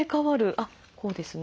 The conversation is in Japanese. あっこうですね。